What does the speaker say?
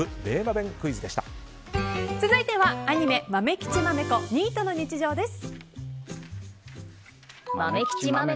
続いてはアニメ「まめきちまめこニートの日常」です。